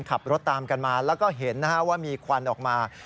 ขับรถตามกันมาแล้วก็เห็นว่ามีควันออกมา